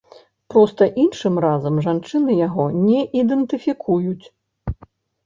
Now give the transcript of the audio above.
Проста іншым разам жанчыны яго не ідэнтыфікуюць.